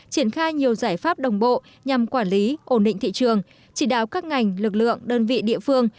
triển khai nhiều giải pháp đồng bộ nhằm quản lý ổn định thị trường chỉ đáo các ngành lực lượng đơn vị địa phương